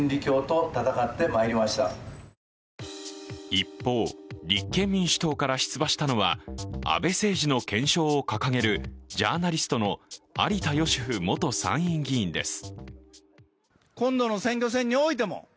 一方、立憲民主党から出馬したのは安倍政治の検証を掲げるジャーナリストの有田芳生元参院議員です。